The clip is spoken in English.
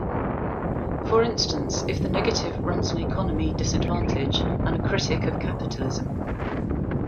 For instance if the negative runs an economy disadvantage and a kritik of capitalism.